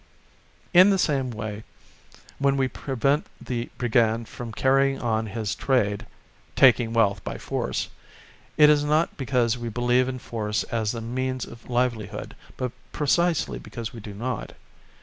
In the same way, when we prevent the brigand from carrying on his trade taking wealth by force it is not because we believe in force as a means of livelihood, but precisely because we do not.